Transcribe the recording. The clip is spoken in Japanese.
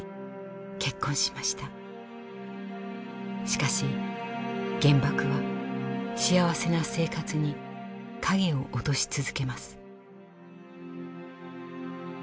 しかし原爆は幸せな生活に影を落とし続けます。